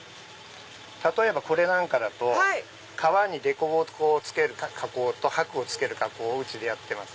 例えばこれなんかだと革にでこぼこをつける加工と箔を付ける加工をやってます。